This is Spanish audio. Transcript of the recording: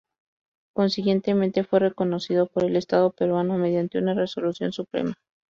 Consiguientemente fue reconocido por el Estado Peruano mediante una resolución suprema.